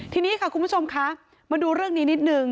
ทีนี้ค่ะคุณผู้ชมคะมาดูเรื่องนี้นิดนึง